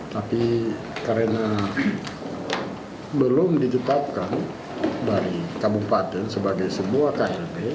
tapi karena belum ditetapkan dari kabupaten sebagai sebuah klb